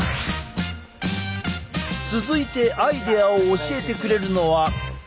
続いてアイデアを教えてくれるのは。